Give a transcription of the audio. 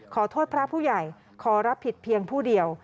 พระผู้ใหญ่ขอรับผิดเพียงผู้เดียว